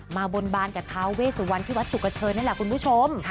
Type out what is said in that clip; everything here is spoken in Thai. บนบานกับทาเวสุวรรณที่วัดสุกเชิญนั่นแหละคุณผู้ชม